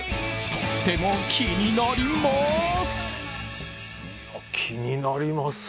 とっても気になります！